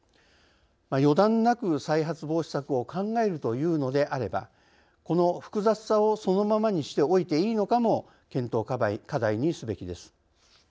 予断なく再発防止策を考えるというのであればこの複雑さをそのままにしておいていいのかも検討課題にすべきです。